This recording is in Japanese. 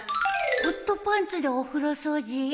ホットパンツでお風呂掃除？